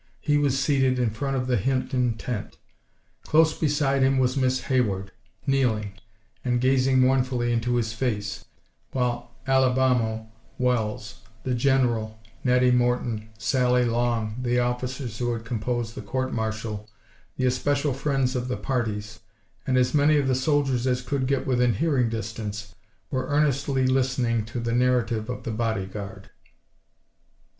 He was seated in front of the Hinton tent. Close beside him was Miss Hayward, kneeling, and gazing mournfully into his face, while Alibamo, Wells, the General, Nettie Morton, Sally Long, the officers who had composed the court martial, the especial friends of the parties, and as many of the soldiers as could get within hearing distance, were earnestly listening to the narrative of the "body guard."